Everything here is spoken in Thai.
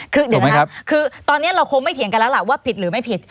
คือเดี๋ยวนะครับคือตอนนี้เราคงไม่เถียงกันแล้วล่ะว่าผิดหรือไม่ผิด